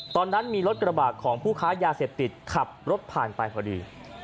ตอนนั้นมีรถกระบาดของผู้ค้ายาเสพติดขับรถผ่านไปพอดี